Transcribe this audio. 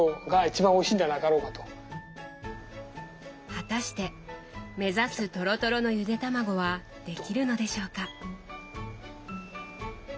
果たして目指すトロトロのゆでたまごはできるのでしょうか。